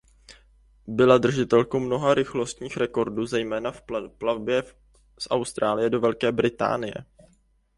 Byla držitelkou mnoha rychlostních rekordů zejména v plavbě z Austrálie do Velké Británie.